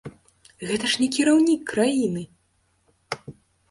Гэта ж не кіраўнік краіны!